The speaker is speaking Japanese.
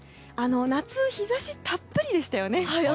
夏は日差しがたっぷりでしたよね